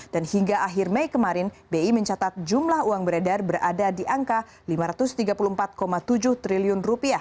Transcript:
dan hingga akhir mei kemarin bi mencatat jumlah uang beredar berada di angka rp lima ratus tiga puluh empat tujuh triliun